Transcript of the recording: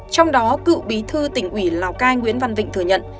trong đó cựu bí thư tỉnh ủy lào cai nguyễn văn vịnh thừa nhận